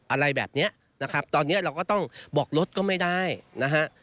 อะไรแบบเนี้ยนะครับตอนนี้เราก็ต้องบอกรถก็ไม่ได้นะฮะ